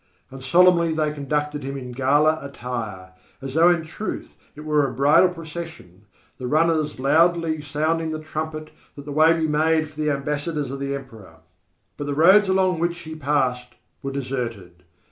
And solemnly they conducted him in gala attire, as though in truth it were a bridal procession, the runners loudly sounding the trumpet that the way be made for the ambassadors of the Emperor. But the roads along which he passed were deserted.